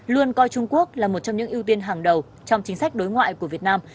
luôn coi trung quốc là một trong những ưu tiên hàng đầu trong chính sách đối ngoại của việt nam